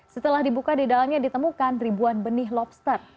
setelah dibuka di dalamnya ditemukan ribuan benih lobster